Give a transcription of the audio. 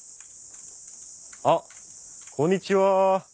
あっこんにちは。